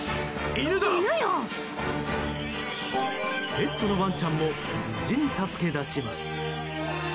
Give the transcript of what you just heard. ペットのワンちゃんも無事に助け出します。